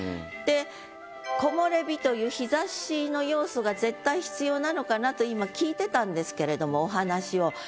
で木漏れ日という日ざしの要素が絶対必要なのかなと今聞いてたんですけれどもお話を。